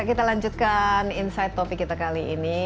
kita lanjutkan insight topik kita kali ini